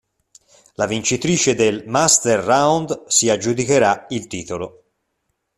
La vincitrice del "Master Round" si aggiudicherà il titolo.